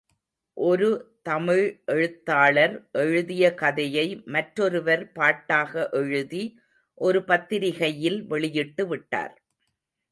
ஒரு தமிழ் எழுத்தாளர் எழுதிய கதையை, மற்றொருவர் பாட்டாக எழுதி ஒரு பத்திரிகையில் வெளியிட்டு விட்டார்.